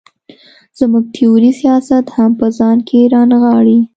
زموږ تیوري سیاست هم په ځان کې را نغاړي.